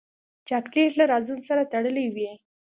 چاکلېټ له رازونو سره تړلی وي.